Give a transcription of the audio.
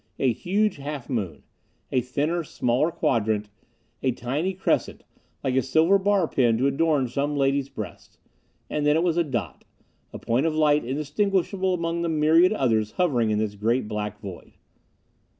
A huge half moon. A thinner, smaller quadrant. A tiny crescent, like a silver bar pin to adorn some lady's breast. And then it was a dot, a point of light indistinguishable among the myriad others hovering in this great black void.